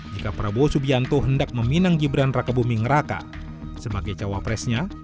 jika prabowo subianto hendak meminang gibran rakebumi ngeraka sebagai cawapresnya